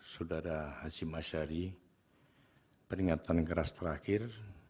saudara hasyim masyari peringatan keras terakhir